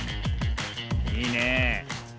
いいね。